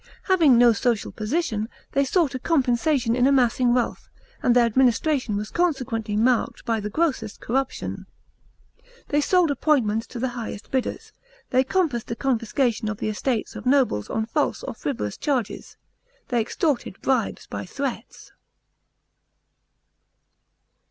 Having no social position they sought a compensation in amassing wealth, and their administration was consequently marked by the grossest corruption. They sold appointments to the highest bidders ; they compassed the confiscation of the estates of nobles on false or frivolous charges; they extorted bribes by threats.